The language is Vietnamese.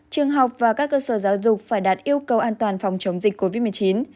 trường học và các cơ sở giáo dục phải đạt yêu cầu an toàn phòng chống dịch covid một mươi chín